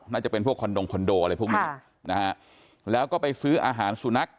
น่าจะเป็นพวกคอนดงคอนโดอะไรพวกนี้นะฮะแล้วก็ไปซื้ออาหารสุนัข